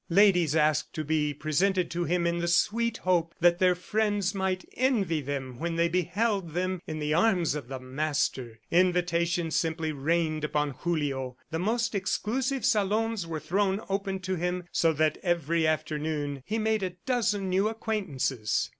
Ladies asked to be presented to him in the sweet hope that their friends might envy them when they beheld them in the arms of the master. Invitations simply rained upon Julio. The most exclusive salons were thrown open to him so that every afternoon he made a dozen new acquaintances.